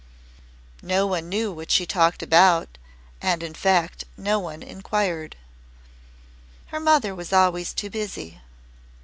No one knew what she talked about, and in fact no one inquired. Her mother was always too busy.